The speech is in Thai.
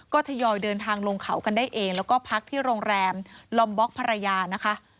ก็ทยอยเดินทางลงเขากันได้เองแล้วก็พักที่โรงแรมลอมบล็อกภรรยานะคะ